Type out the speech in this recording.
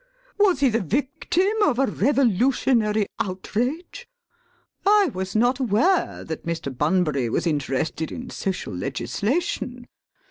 Was he the victim of a revolutionary outrage? I was not aware that Mr. Bunbury was interested in social legislation.